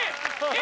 え？